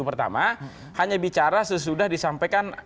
pertama hanya bicara sesudah disampaikan